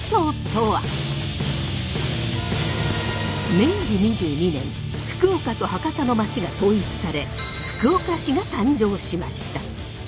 明治２２年福岡と博多の町が統一され福岡市が誕生しました。